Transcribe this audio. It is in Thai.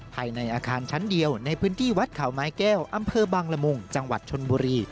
ภายในอาคารชั้นเดียวในพื้นที่วัดเขาไม้แก้วอำเภอบางละมุงจังหวัดชนบุรี